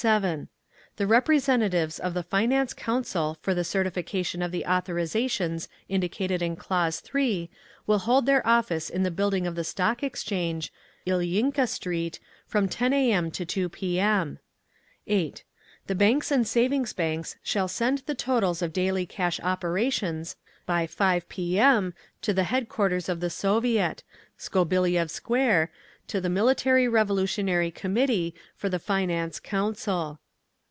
The representatives of the Finance Council for the certification of the authorisations indicated in clause 3 will hold their office in the building of the Stock Exchange, Ilyinka Street, from 10 A. M. to 2 P. M. 8. The Banks and Savings Banks shall send the totals of daily cash operations by 5 P. M. to the headquarters of the Soviet, Skobeliev Square, to the Military Revolutionary Committee, for the Finance Council.